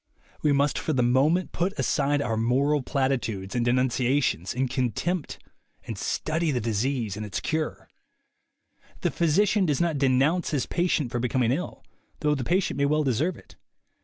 We must for the moment put aside our moral platitudes and denun ciations and contempt and study the disease and its cure. The physician does not denounce his patient for becoming ill, though the patient may well deserve it.